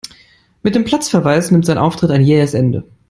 Mit dem Platzverweis nimmt sein Auftritt ein jähes Ende.